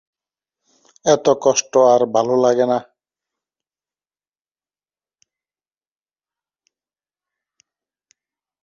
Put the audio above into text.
জানা গেল যে তিনি অনাথ।